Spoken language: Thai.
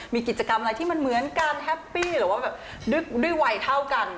มีกิจกรรมอะไรที่มันเหมือนการแฮปปี้หรือว่าแบบด้วยวัยเท่ากัน